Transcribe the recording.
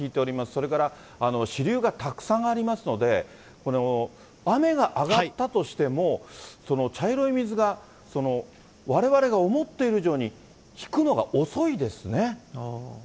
それから支流がたくさんありますので、雨が上がったとしても、茶色い水が、われわれが思っている以上に、引くのが遅いですね。